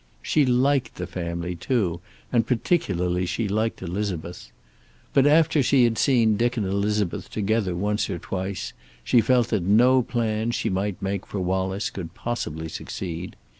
She liked the family, too, and particularly she liked Elizabeth. But after she had seen Dick and Elizabeth together once or twice she felt that no plan she might make for Wallace could possibly succeed.